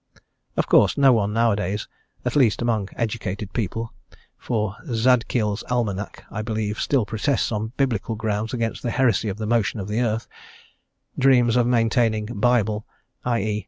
Of course no one nowadays (at least among educated people, for Zadkiel's Almanac I believe still protests on Biblical grounds against the heresy of the motion of the earth) dreams of maintaining Bible, i e.